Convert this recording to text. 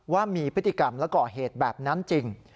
ว่ามีพฤติกรรมและก่อเหตุแบบนั้นจริง